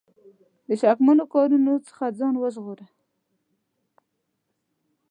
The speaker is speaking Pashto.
د شکمنو کارونو څخه ځان وژغوره.